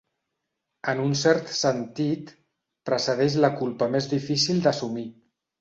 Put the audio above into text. En un cert sentit, precedeix la culpa més difícil d'assumir.